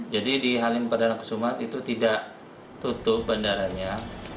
jadi di halim perdana kusuma itu tidak tutup bandaranya